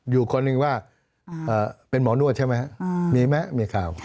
อยู่คนหนึ่งว่าเป็นหมอนวดใช่ไหมครับมีไหมมีข่าว